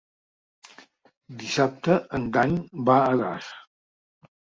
Dissabte en Dan va a Das.